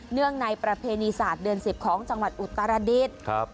เนื่องในประเพณีศาสตร์เดือน๑๐ของจังหวัดอุตรศาสตร์